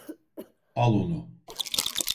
Al onu!